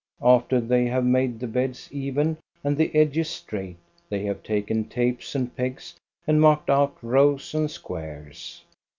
After they have made the beds even and the edges straight they have taken tapes and pegs and marked out rows and squares.